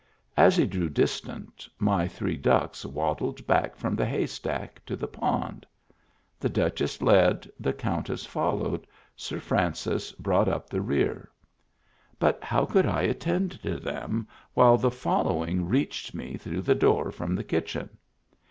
As he grew distant, my three ducks waddled back from the haystack to the pond. The Duchess led, the Countess followed; Sir Francis brought up the rear. But how could I attend to them while the following reached me through the door from the kitchen?